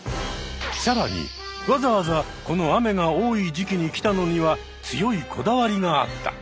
さらにわざわざこの雨が多い時期に来たのには強いこだわりがあった。